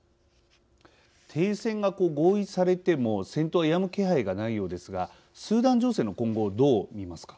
停戦が合意されても戦闘はやむ気配がないようですがスーダン情勢の今後をどう見ますか。